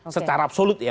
secara absolut ya